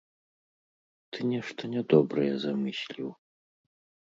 Ты нешта нядобрае замысліў.